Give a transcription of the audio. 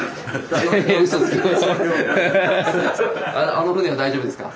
あの船は大丈夫ですか？